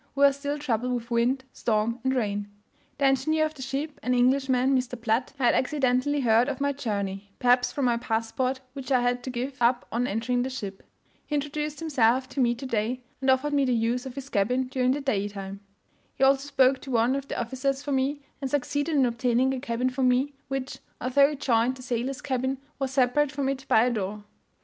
We were still troubled with wind, storm, and rain. The engineer of the ship, an Englishman, Mr. Platt, had accidentally heard of my journey (perhaps from my passport, which I had to give up on entering the ship); he introduced himself to me today, and offered me the use of his cabin during the day time; he also spoke to one of the officers for me, and succeeded in obtaining a cabin for me, which, although it joined the sailors' cabin, was separated from it by a door.